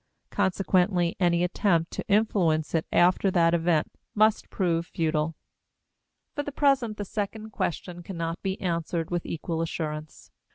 Consequently, any attempt to influence it after that event must prove futile. For the present, the second question cannot be answered with equal assurance.